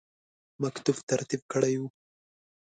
مکتوب ترتیب کړی وو.